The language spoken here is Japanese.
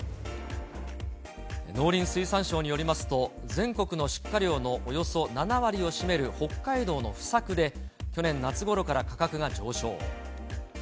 農林水産省によりますと、全国の出荷量のおよそ７割を占める北海道の不作で、去年夏ごろから価格が上昇。